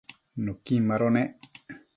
nuquin mado nec